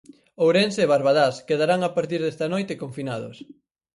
Ourense e Barbadás quedarán a partir desta noite confinados.